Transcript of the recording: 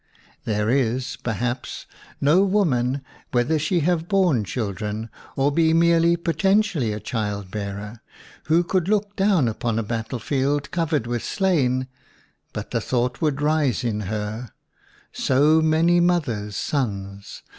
There is, perhaps, no woman, whether she have borne children, or be merely potentially a child bearer, who could look down upon a battlefield covered with slain, but the thought would rise in her, "So many mothers' sons!